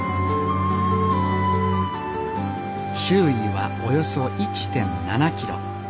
周囲はおよそ１．７キロ。